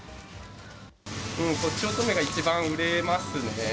とちおとめが一番売れますね。